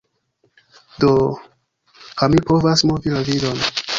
Do... ha mi povas movi la vidon.